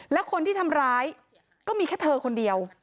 และคนที่ทำร้ายก็มีแค่เธอคนเดียว